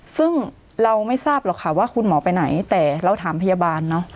ซึ่งเราไม่ทราบหรอกค่ะว่าคุณหมอไปไหนแต่เราถามพยาบาลเนอะ